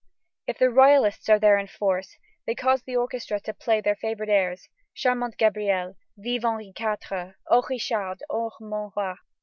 If the royalists are there in force, they cause the orchestra to play their favorite airs: _Charmante Gabrielle, Vive Henri Quatre! O! Richard, O! mon roi!